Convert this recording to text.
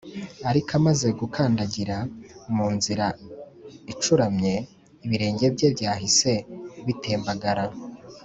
ariko amaze gukandagira mu nzira icuramye, ibirenge bye byahise bitembagara